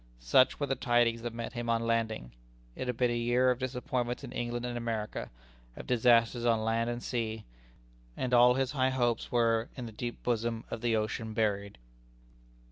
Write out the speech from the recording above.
Such were the tidings that met him on landing. It had been a year of disappointments in England and America of disasters on land and sea and all his high hopes were In the deep bosom of the ocean buried.